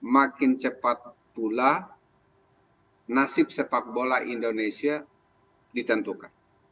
makin cepat pula nasib sepak bola indonesia ditentukan